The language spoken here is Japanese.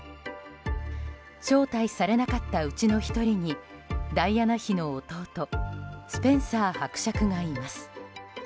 招待されたなかったうちの１人にダイアナ妃の弟スペンサー伯爵がいます。